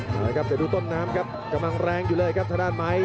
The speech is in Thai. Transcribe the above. เดี๋ยวดูต้นน้ำครับกำลังแรงอยู่เลยครับถ้าด้านไหม